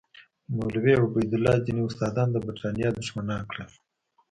مولوي عبیدالله ځینې استادان د برټانیې دښمنان کړل.